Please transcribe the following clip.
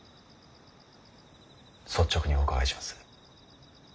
率直にお伺いします。